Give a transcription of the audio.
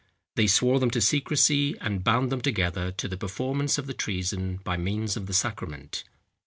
They swore them to secresy, and bound them together to the performance of the treason by means of the sacrament.